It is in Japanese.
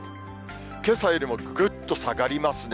けさよりもぐっと下がりますね。